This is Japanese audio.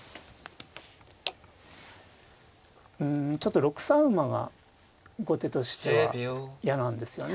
うんちょっと６三馬が後手としては嫌なんですよね